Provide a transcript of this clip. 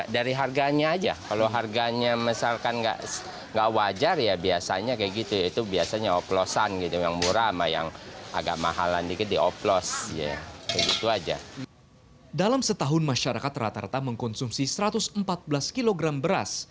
dalam setahun masyarakat rata rata mengkonsumsi satu ratus empat belas kg beras